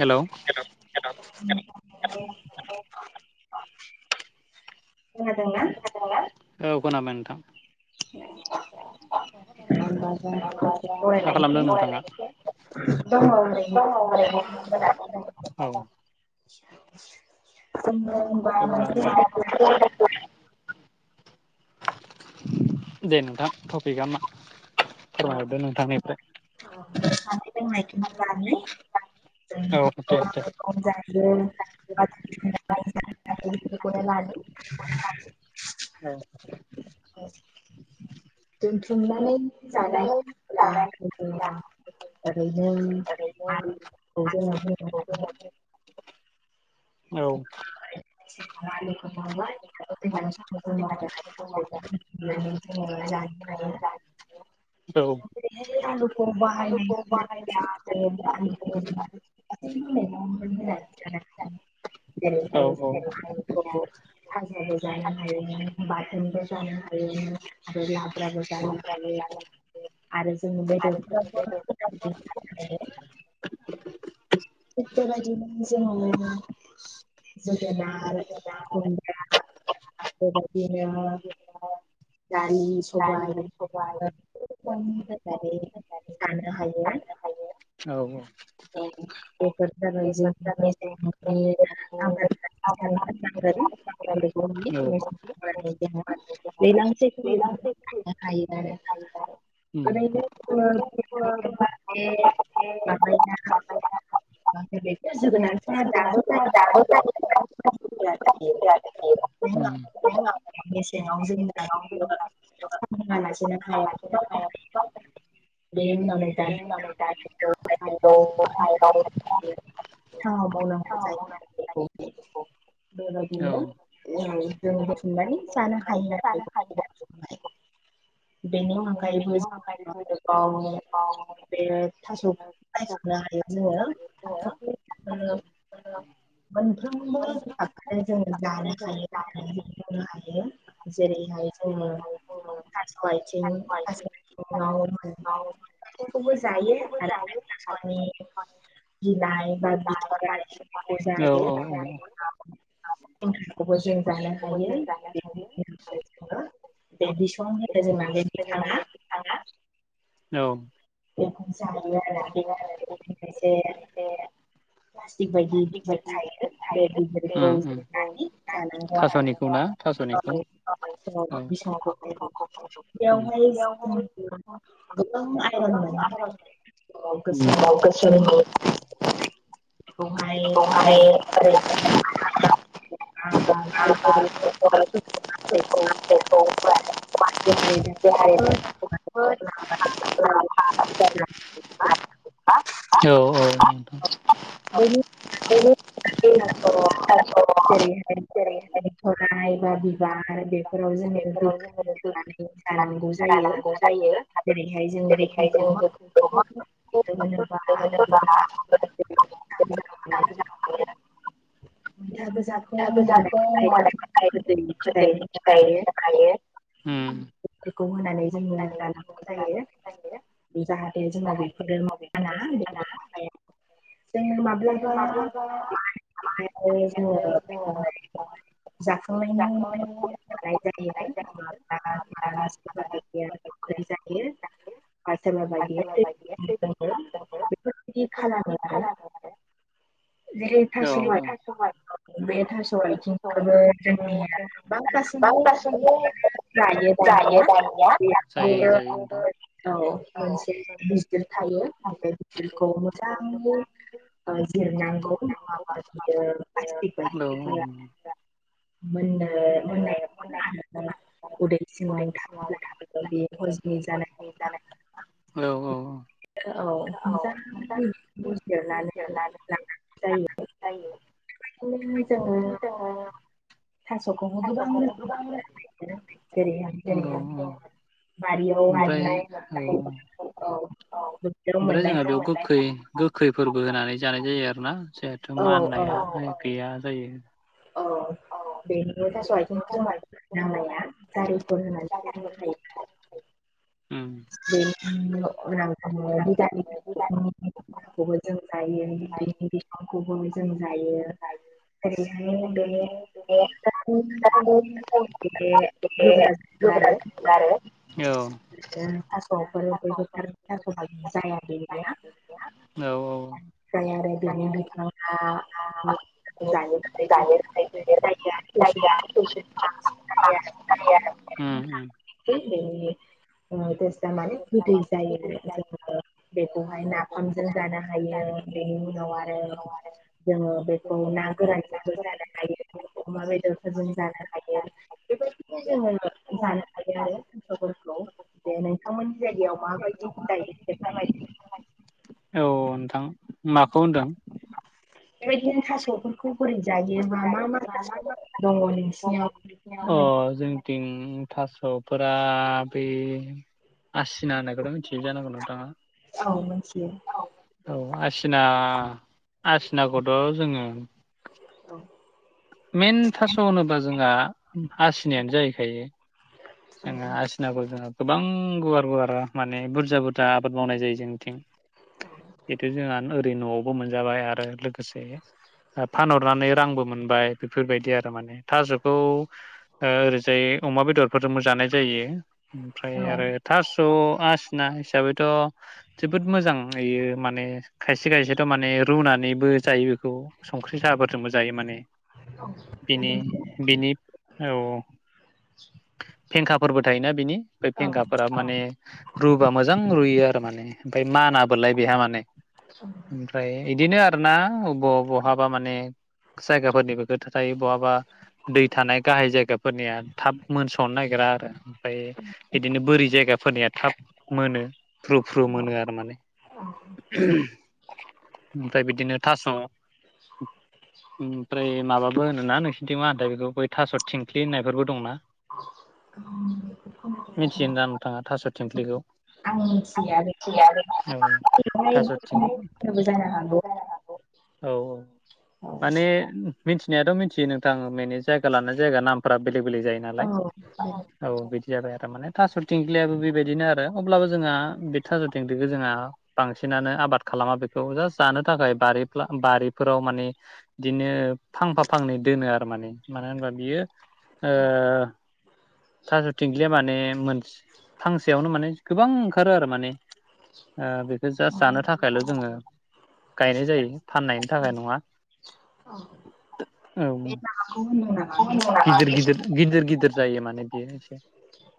Hello? [inaudible] खोनादोंना? औ खोनाबाय नोंथां। दे होमबा जों दसे सावरायलायनिसै। दङ ओरैनो [inaudible] जोङो [unintelligible] दे नोंथां टपिकआ मा फोरमायहरदो नोंथांनिफ्राय। अ जानाय लोंनायखौनो लानि। औ दे दे। [unintelligible] औ। दोनथुमनानै जानाय [unintelligible] औ। [inaudible] [unintelligible] [unintelligible] [inaudible] भाजाबो जानो हायो बाथोनबो जानो हायो आरो लाब्राबो जानो हायो आरो जोङो बेदरफोरावबो होनानै जानो हायो। थिग बेबायदिनो जोङो जोगोनार आरो खुमब्रा बेबायदिनो दालि सबाइ ओ बेफोरावबो होनानै जानो हायो। औ बेफोर जाबाय जोंनि [unintelligible] [unintelligible] [unintelligible] [inaudible] बे जानाया [unintelligible] जोगोनारफोरा दा [inaudible] [inaudible] उम मेसेङाव जोंना आरोना लासेनो हाया बेनि उनावनो [inaudible] सिगाङाव मावनांगौ जायो बेबायदिनो औ जों बुथुमनानै जानो हायो आरो मैगं थाइगंफोरखौहाय। बेनि उनाव ओमफ्रायबो गोबाव बे थास' [unintelligible] हायो जोङो [inaudible] औ मोनफ्रोमबो फिबांखौनो जोङो जानो हायो लोंनो हायो। जेरैहाय जोङो थास'आयथिं थास' बिसं बिबारखौबो जायो आरो बिलाइ बा बिथ'राइ औ औ औ [unintelligible] खौबो जों जानो हायो। बे बिसं होनो जोंना माने जों माने बिफांआ औ। बेखौ जायो आरो उम उम थास'निखौ ना? थास'निखौ औ थास' बिसंखौहाय बेयावहाय जों गोबां [inaudible] बेखौहाय ओरैनो [inaudible] देहानि थाखाय जोबोद जोबोद माने [inaudible] [inaudible] [inaudible] जेरैहाय बिथ'राइ बा बिबार बेफोराव जोङो गोखै सेबनानै जानांगौ जायो जेरैहाय जों गोखैखौ मा [unintelligible] [unintelligible] [inaudible] मैथा गोजा मैथा गोजाखौ मानिनाय गोदोनिफ्रायनो जाखायो। फोरखौ होनानै जोङो जानांगौ जायो जाहाथे जाहाथे जोंनाव बेफोरजों जों माब्ला औ जोङो बेखौहाय जाखांनायनि उनाव हानाय जायो। [unintelligible] बिदि जायो। [unintelligible] [unintelligible] औ [unintelligible] बे थास' आथिंखौबो जोंनिया बा गासैबो जायो दानिया [unintelligible] औ मोनसे गिदिर थायो बे गिदिरखौ मोजाङै जिरनांगौ नङाब्लाबा बियो हेल [unintelligible] मोन्नो [unintelligible] उदै सिङाव थाङोला बे हजनि जानाय [unintelligible] औ। औ मजां [unintelligible] थास'खौनो गोबां रोखोमनि जेरैहाय दङ ओमफ्राय औ ओमफ्राय जोंहा बेयाव गोखै गोखैफोरबो होनानै जानाय जायो आरो ना जोंहेथु माननाया गैया जायो। औ बेनि थास' आथिं जोंना नांलाया जारिफोर होननानै ल हायो। बे [unintelligible] खौबो जों जायो बिनि बिफांखौबो जों जायो। [unintelligible] जग्रा [unintelligible] आरो [unintelligible] औ। थास'फोर ब बोथार थास'ब जाया बे गैया। ओमफ्राय आरो बेनि बिफां आ [unintelligible] [unintelligible] उम उम। दै [unintelligible] तेस्त मानि गोदै जायो जोङो बे खौहाय नाफामजों जानो हायो बेनि उनाव आरो जोङो बेखौ ना गोरानजोंबो जानो हायो अमा बेदरफोरजों जानो हायो बेबायदि बेखौ जों जानो जायो आरो [unintelligible] जे नोंथांमोननि जायगायाव माबायदि जायो। औ नोंथां माखौ होनदों। बेबायदिनो थास'फोर बेखौ बोरै जायोबा मा मा दङ नोंसिनियाव बेखौ फोरमायदो। दिं थास'फोरा बे आसिना होननायखौथ' मि‌‌थियो जानांगौ नोंथाङा ‌? औ मिथियो औ आसिना आसिनाखौथ' जोङो मेन थास' जोंहा आसिनायानो जाहैखायो। जोङो आसिनाखौ जोंङो गोबां गुवार गुवारा माने बुरजा बुरजा आबाद मावनाय जायो जोंनिथिं। [inaudible] जिहेथु जोंहा ओरै न'आवबो मोनजाबाय आरो लोगोसे फानहरनानै रांबो मोनबाय बेफोरबायदि आरो माने थास'खौ ओ ओरैजाय अमा बेदर फोरजोंबो जानाय जायो ओमफ्राय आरो थास' आसिना हिसाबैथ' जोबोद मोजांयैयो माने खायसे खायसेथ' रुनानैबो जायो बेखौ। संख्रि साहाफोरजोंबो जायो माने बिनि बिनि औ औ। फेंखाफोरबो थायोना बिनि बै फेंखाफोरा माने रुबा मोजां रुयो आरो माने ओमफ्राय मानाबोलाय बेहा माने। ओमफ्राय इदिनो आरोना ब-बहाबा माने जायगाफोरनिबो खोथा थायो बहाबा दै थानाय गाहाय जायगाफोरनिया थाब मोन सनो नागिरा आरो ओमफाय इदिनो बोरि जायगाफोरनिया थाब मोनो। फ्रु फ्रु मोनो आरो माने ओमफाय बिदिनो थास' [inaudible] ओमफ्राय माबाबो होनोना नोंसोरनिथिं मा होनोथाय बैखौ बै थास' थिंख्लि होननायफोरबो दंना? [inaudible] मिथियोनदां नोंथाङा थास' थिंख्लिखौ? आं मोनथिआलै। थास' थिं औ औ माने मिथिनायाथ' मिनथियो नोंथां माने जायगा लानाय जायगा नामफोरा बेलेग बेलेग जायो। औ औ बिदि जाबाय आरो माने। थास' थिंख्लियाबो बेबायदिनो आरो अब्लाबो जोंहा बे थास' थिंख्लिखौ जोंहा बांसिनानो आबाद खालामा बेखौ जास्ट जानो थाखाय बारि-बारिफोराव माने इदिनो फांफा फांनै दोनो आरो माने मानो होनबा बियो ओ थास' थिंख्लिया माने मोन फांसेयावनो माने गोबां ओंखारो आरो माने। ओ बेखौ जास्ट जानो थाखायल' जोङो गायनाय जायो फाननायनि थाखाय नङा औ उम गिदिर गिदिर गिदिर गिदिर जायो माने बेयो एसे।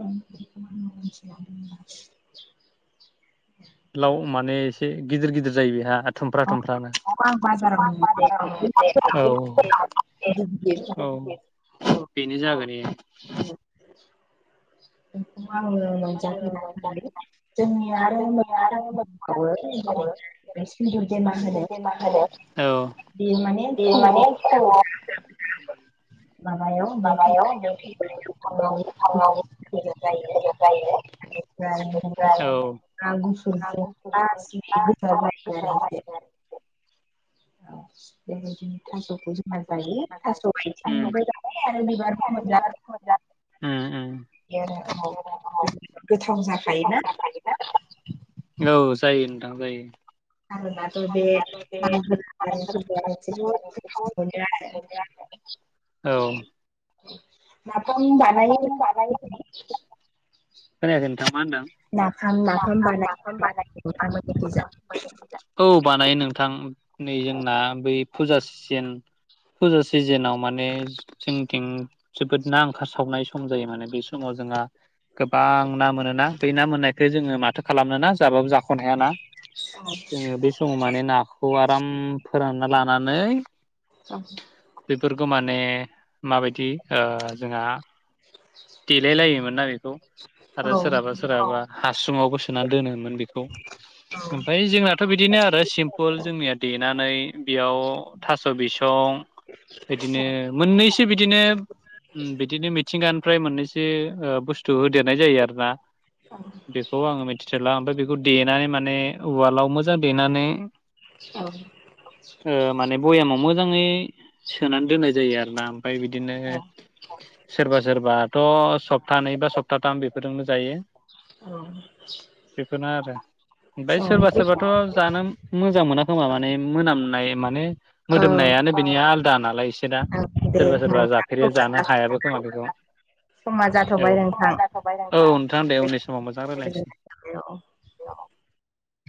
[unintelligible] मोनथिला उम लाव माने एसे गिदिर गिदिर जायो बेहा थुमफ्रा थुमफ्रानो। औ औ औ औ बेनो जाबाय दे। औ बिखौ आं मोनजाफेराखै। जोंनिआ आरो मोखोनाखौबो सिन्दुर देमा होनो। आरो औ बियो माने बि माने खर'आव लागाय'। लागाय' ओमफाय बिनिफायनो खांनानै बि गोदोर जायो। गोदोर जायो। ओफ्राय आ गुफुर जोंब्ला [unintelligible] जायो आरो एसे। [unintelligible] नोंबो जाबाय आरो बिबारबो मोनजाबाय। [unintelligible] गोथाव जाखायोना। औ जायो नोंथां जायो। खारन आथ बे मालायफोरा [unintelligible] गोथाव मोनो आरो। औ। नाफाम बानायो खोनायाखै नोंथां मा होनदों नाफाम नाफाम बानायो [unintelligible] औ बानायो नोंथां नै जोंना बै फुजा सिजेन फुजा सिजेनाव माने जोंथिं जोबोद ना ओंखार सावनाय सम जायो माने बे समाव जोंहा गोबां ना मोनोना बै ना मोननायखौ जोङो माथो खालामनो ना जाबाबो जाख' खन हायाना जोङो बे समाव माने नाखौ आराम फोरानना लानानै [inaudible] बेफोरखौ माने माबायदि ओ जोंहा देलाय लायोमोन ना बेखौ आरो सोरहाबा सोरहाबा हासुङावबो सोना दोनोमोन बेखौ। ओमफाय जोंनाथ बिदिनो आरो सिमफोल जोंनिया देनानै बेयाव थास' बिसं। इदिनो मोननैसो बिदिनो बिदिनो मिथिंगा फ्राय मोननैसो ओ बुस्थु होदेरनाय जायो आरोना बेखौ आङो मिथिथारला ओमफ्राय बेखौ देनानै माने उवालाव मोजां देनानै औ। ओ माने भयेमाव मोजाङै सोनानै दोननाय जायो आरोना ओमफाय बिदिनो सोरबा सोरबाथ' सप्ता नै बा सप्ताथाम बेफोरजोंनो जायो। बेफोरनो आरो ओमफ्राय सोरबा सोरबाथ' जानो मोजां मोना खोमा माने मोनामनाय माने मोदोमनायानो बिनिया आलादा नालाय इसे दा सोरबा सोरबा जाफेरो जानो हायाबो खोमा बेखौ। औ औ नोंथां दे उननि समाव मोजां रायज्लायनोसै।